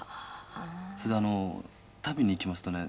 それで、旅に行きますとね